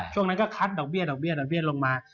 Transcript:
ช่วงนั้นก็คัดดอกเบี้ยลงมา